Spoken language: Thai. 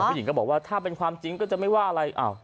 ผู้หญิงก็บอกว่าถ้าเป็นความจริงก็จะไม่ว่าอะไร